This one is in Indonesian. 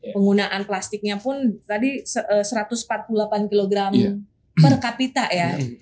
penggunaan plastiknya pun tadi satu ratus empat puluh delapan kg per kapita ya